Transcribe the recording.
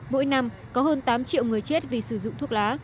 mỗi năm có hơn tám triệu người chết vì sử dụng thuốc lá